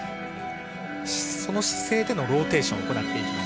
その姿勢でのローテーションを行っていきます。